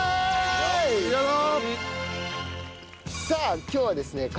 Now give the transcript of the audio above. さあ今日はですね